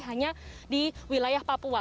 hanya di wilayah papua